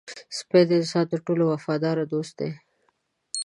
سپي د انسان تر ټولو وفادار دوست دی.